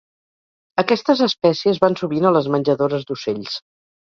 Aquestes espècies van sovint a les menjadores d'ocells.